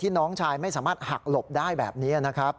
น้องชายไม่สามารถหักหลบได้แบบนี้นะครับ